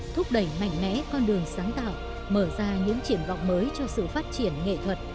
thúc đẩy mạnh mẽ con đường sáng tạo mở ra những triển vọng mới cho sự phát triển nghệ thuật